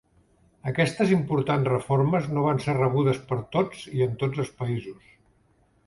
Aquestes importants reformes no van ser rebudes per tots i en tots els països.